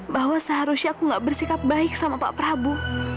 bahwa seharusnya aku gak bersikap baik sama pak prabu